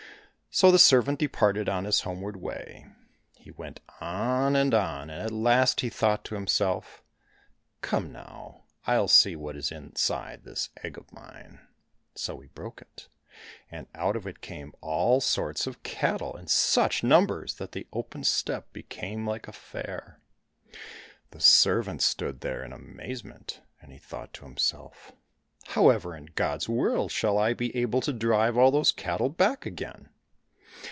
So the servant departed on his homeward way. He went on and on, and at last he thought to himself, " Come now, I'll see what is inside this egg of mine !" So he broke it, and out of it came all sorts of cattle in such numbers that the open steppe became like a fair. The servant stood there in amazement, and he thought to himself, " However in God's world shall I be able to drive all these cattle back again